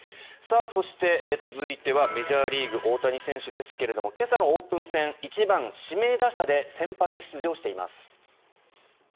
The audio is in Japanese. そして、続いてはメジャーリーグ、大谷選手ですが今朝のオープン戦１番指名打者で先発出場しています。